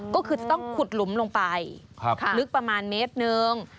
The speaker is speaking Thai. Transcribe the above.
ก็คือจะต้องขุดหลุมลงไปลึกประมาณเมตรหนึ่ง